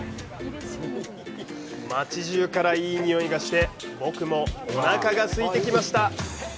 街中からいい匂いがして僕もお腹がすいてきました！